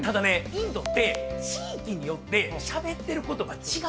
インドって地域によってしゃべってる言葉違うんですよ。